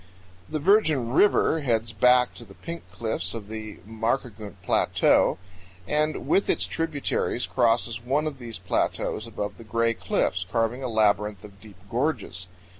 98 The Virgen River heads back in the Pink Cliffs of the Markagunt Plateau and with its tributaries crosses one of these plateaus above the Gray Cliffs, carving a labyrinth of deep gorges.